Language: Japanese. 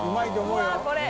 うわっこれ。